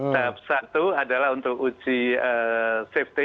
tahap satu adalah untuk uji safety